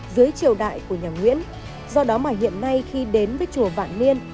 dưới triều đại của nhà nguyễn do đó mà hiện nay khi đến với chùa vạn niên